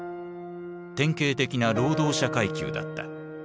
典型的な労働者階級だった。